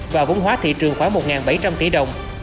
và vốn hóa thị trường khoảng một bảy trăm linh tỷ đồng